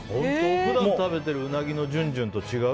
普段食べてるうなぎのじゅんじゅんと違う？